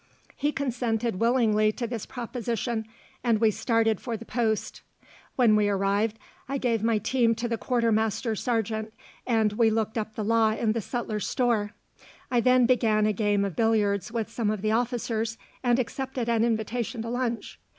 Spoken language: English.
He consented willingly to this proposition, and we started for the post. When we arrived, I gave my team to the quartermaster's sergeant, and we looked up the law in the sutler's store. I then began a game of billiards with some of the officers, and accepted an invitation to lunch.